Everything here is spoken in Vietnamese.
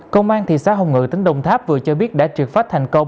công an thị xã hồng ngự tỉnh đồng tháp vừa cho biết đã trượt phát thành công